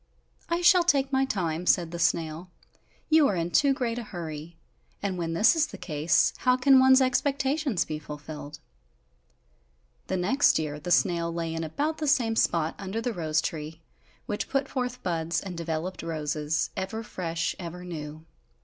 "I shall take my time," said the snail, "you are in too great a hurry, and when this is the case, how can one's expectations be fulfilled?" The next year the snail lay in about the same spot under the rose tree, which put forth buds and developed roses, ever fresh, ever new.